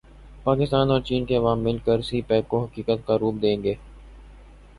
پاکستان اور چین کے عوام مل کر سی پیک کو حقیقت کا روپ دیں گے تہمینہ جنجوعہ